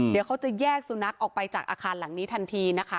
เดี๋ยวเขาจะแยกสุนัขออกไปจากอาคารหลังนี้ทันทีนะคะ